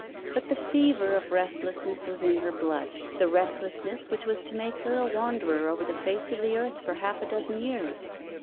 But the fever of restlessness was in her blood the restlessness which was to make her a wanderer over the face of the earth for half a dozen years.